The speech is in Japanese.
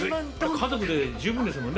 家族で十分ですよね。